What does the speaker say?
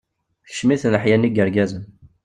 Tekcem-iten leḥya-nni n yirgazen.